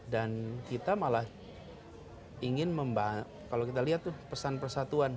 dan kita malah ingin kalau kita lihat tuh pesan persatuan